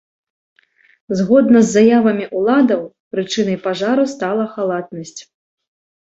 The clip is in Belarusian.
Згодна з заявамі ўладаў, прычынай пажару стала халатнасць.